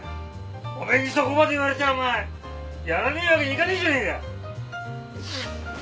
おめえにそこまで言われちゃお前やらねえわけにいかねえじゃねえか。